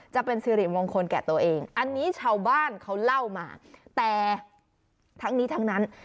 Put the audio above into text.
จะเป็นสิริมงคลแก่ตัวเองอันนี้ชาวบ้านเขาเล่ามาแต่ทั้งนี้ทั้งนั้น